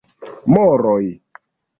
Moroj: